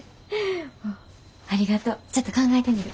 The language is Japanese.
ありがとうちょっと考えてみる。